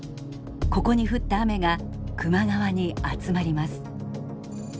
ここに降った雨が球磨川に集まります。